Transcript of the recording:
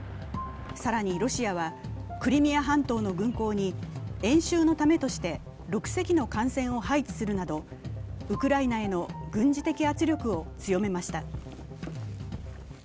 更に、ロシアはクリミア半島の軍港に演習のためとして６隻の艦船を配置するなどウクライナへの軍事的圧力を強めました。